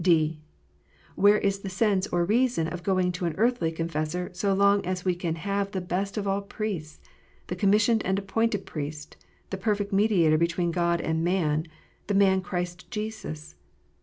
(d) Where is the sense or reason of going to an earthly confessor, so long as we can have the best of all Priests, the commis sioned and appointed Priest, the perfect Mediator between God and man, the man Christ Jesus